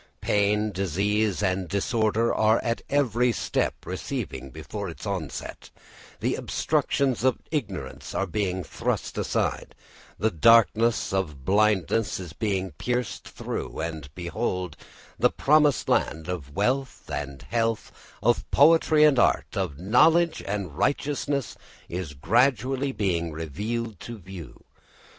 Pain, disease, and disorder are at every step receding before its onset; the obstructions of ignorance are being thrust aside; the darkness of blindness is being pierced through; and behold, the promised land of wealth and health, of poetry and art, of knowledge and righteousness is gradually being revealed to view.